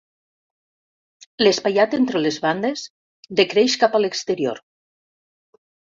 L'espaiat entre les bandes decreix cap a l'exterior.